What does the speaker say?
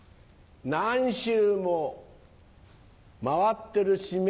何周も回ってる締め